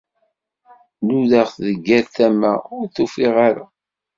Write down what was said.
Nudaɣ-t deg yal tama ur t-ufiɣ ara.